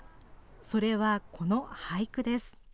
それはこの俳句です。